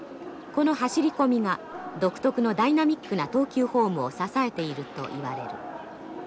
この走り込みが独特のダイナミックな投球フォームを支えているといわれる。